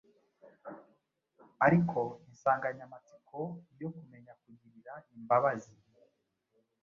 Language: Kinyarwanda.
ariko insanganyamatsiko yo kumenya kugirira imbabazi